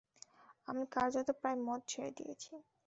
আমি কার্যত প্রায় মদ ছেড়ে দিয়েছি।